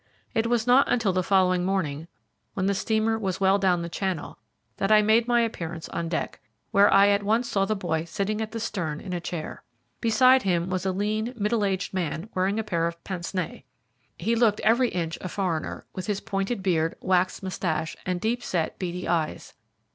It was not until the following morning, when the steamer was well down Channel, that I made my appearance on deck, where I at once saw the boy sitting at the stern in a chair. Beside him was a lean, middle aged man wearing a pair of pince nez. He looked every inch a foreigner, with his pointed beard, waxed moustache, and deep set, beady eyes.